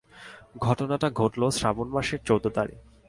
ঘটনাটা ঘটল শ্রাবণ মাসের চোদ্দ তারিখ।